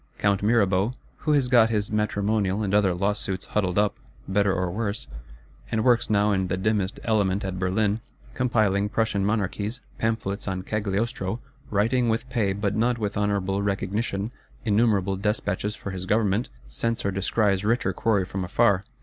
Count Mirabeau, who has got his matrimonial and other Lawsuits huddled up, better or worse; and works now in the dimmest element at Berlin; compiling Prussian Monarchies, Pamphlets On Cagliostro; writing, with pay, but not with honourable recognition, innumerable Despatches for his Government,—scents or descries richer quarry from afar.